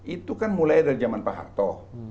itu kan mulai dari zaman pak harto